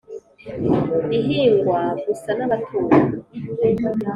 ihingwa gusa n’abaturanyi.